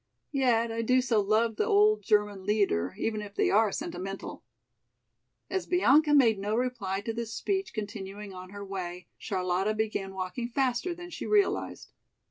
Yet I do so love the old German lieder, even if they are sentimental." As Bianca made no reply to this speech continuing on her way, Charlotta began walking faster than she realized.